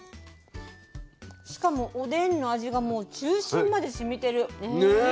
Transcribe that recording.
しかもおでんの味がもう中心までしみてる。ね。